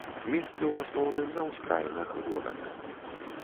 Месцы ў асноўным на ўскраінах горада.